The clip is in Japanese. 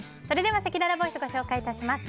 せきららボイスご紹介します。